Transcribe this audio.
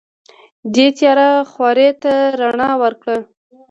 دې تیاره خاورې ته رڼا ورکړه.